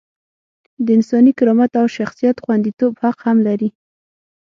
د انساني کرامت او شخصیت خونديتوب حق هم لري.